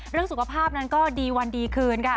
เรื่องสุขภาพนั้นก็ดีวันดีคืนค่ะ